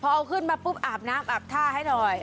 พอเอาขึ้นมาปุ๊บอาบน้ำอาบท่าให้หน่อย